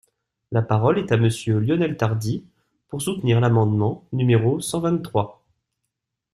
La parole est à Monsieur Lionel Tardy, pour soutenir l’amendement numéro cent vingt-trois.